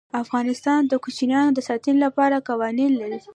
افغانستان د کوچیان د ساتنې لپاره قوانین لري.